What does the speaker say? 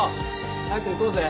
早く行こうぜ。